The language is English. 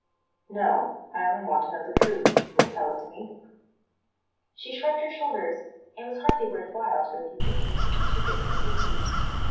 "No; I only want to know the truth, if you will tell it to me." She shrugged her shoulders; it was hardly worth while to abuse a person who took it so meekly.